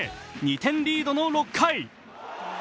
２点リードの６回。